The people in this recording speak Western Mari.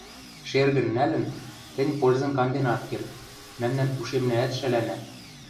Шергӹн нӓлӹн, тӹнь пользым канден ат керд, мӓмнӓн ушемнӓӓт шӓлӓнӓ.